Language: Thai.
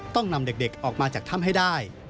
ต้องนำเด็กออกมาจากถ้ำให้ได้